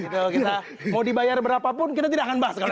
kalau kita mau dibayar berapapun kita tidak akan bahas sekarang